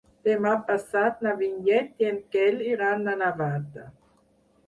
Demà passat na Vinyet i en Quel iran a Navata.